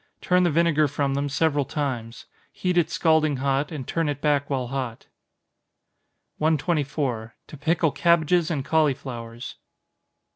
Turn the vinegar from them several times. Heat it scalding hot, and turn it back while hot. 124. _To Pickle Cabbages and Cauliflowers.